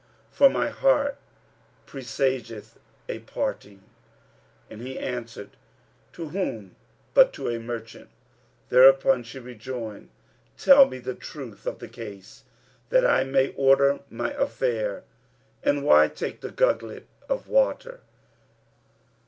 for my heart presageth a parting." And he answered, "To whom but to a merchant?" Thereupon she rejoined, "Tell me the truth of the case, that I may order my affair; and why take the gugglet of water?"